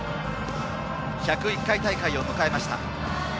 １０１回大会を迎えました。